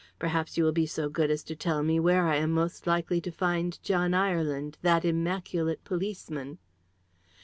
Perhaps you will be so good as to tell me where I am most likely to find John Ireland, that immaculate policeman?"